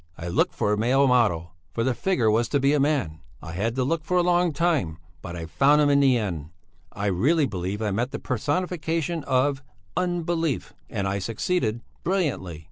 I looked for a male model, for the figure was to be a man; I had to look for a long time, but I found him in the end; I really believe I met the personification of Unbelief and I succeeded brilliantly.